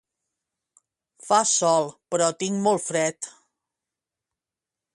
Fa sol però tinc molt fred